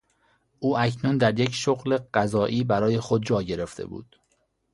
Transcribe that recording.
او اکنون در یک شغل قضایی برای خود جا گرفته بود.